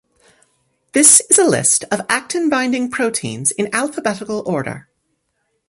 This is a list of actin-binding proteins in alphabetical order.